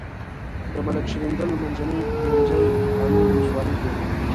د ملک شیریندل منځنی ښوونځی کامې ولسوالۍ کې دی.